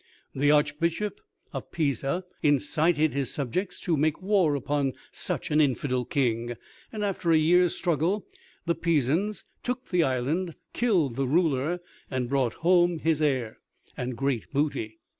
The Archbishop of Pisa incited his subjects to make war upon such an infidel king, and after a year's struggle, the Pisans took the island, killed the ruler, and brought home his heir, and great booty.